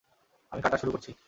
আমি কাটা শুরু করছি।